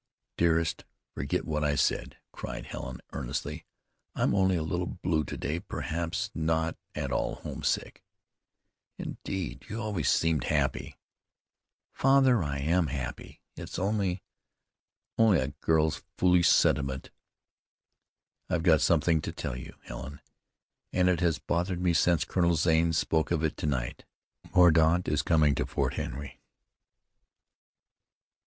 "Dearest, forget what I said," cried Helen earnestly. "I'm only a little blue to day; perhaps not at all homesick." "Indeed, you always seemed happy." "Father, I am happy. It's only only a girl's foolish sentiment." "I've got something to tell you, Helen, and it has bothered me since Colonel Zane spoke of it to night. Mordaunt is coming to Fort Henry."